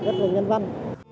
rất là nhanh văn